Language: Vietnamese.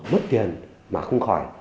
bất tiền mà không khỏi